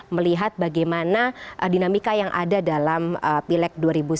melihat bagaimana dinamika yang ada dalam pileg dua ribu sembilan belas